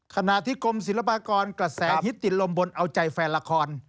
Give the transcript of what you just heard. ขณะที่กรมศิลปากรกระแสฮิตติดลมบนเอาใจแฟนละคร